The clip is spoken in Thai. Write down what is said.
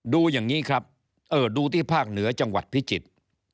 ดูอย่างนี้ครับดูที่ภาคเหนือจังหวัดพิจิตร